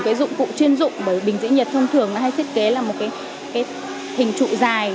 cái dụng cụ chuyên dụng bởi bình giữ nhiệt thông thường nó hay thiết kế là một cái hình trụ dài